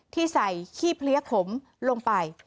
ที่ใส่ขี้เพลี้ยขมลงไป